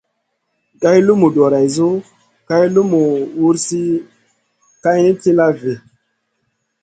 Geyn lumu doreissou geyn lumu wursi kayni tilla vi.